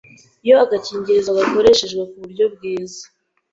Iyo agakingirizo gakoreshejwe ku buryo bwiza